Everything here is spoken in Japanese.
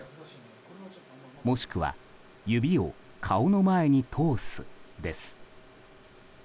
もしくは指を顔の前に通すです。